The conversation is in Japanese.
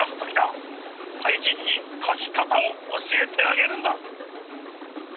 かいじんにかきかたをおしえてあげるんだ」。